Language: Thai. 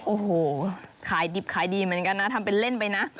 โอ้โหขายดิบขายดีเหมือนกันนะทำเป็นเล่นไปนะ